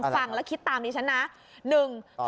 ฟังแล้วคิดตามนี้ฉันนะ